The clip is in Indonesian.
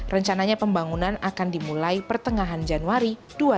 rencananya pembangunan akan dimulai pertengahan januari dua ribu dua puluh